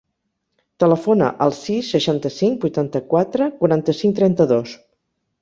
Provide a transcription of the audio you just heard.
Telefona al sis, seixanta-cinc, vuitanta-quatre, quaranta-cinc, trenta-dos.